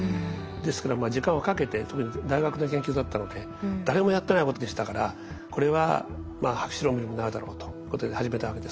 ですから時間をかけて特に大学の研究だったので誰もやってないことでしたからこれは博士論文になるだろうということで始めたわけです。